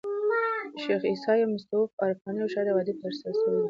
شېخ عیسي یو متصوف عرفاني شاعر او ادیب تیر سوى دئ.